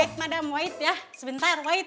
wait madam wait ya sebentar wait